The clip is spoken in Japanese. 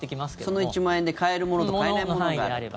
その１万円で買えるものと買えないものがある。